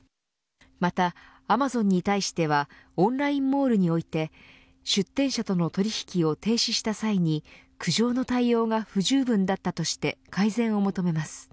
またアマゾンに対してはオンラインモールにおいて出展者との取り引きを停止した際に苦情の対応が不十分だったとして改善を求めます。